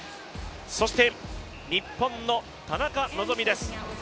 そして日本の田中希実です。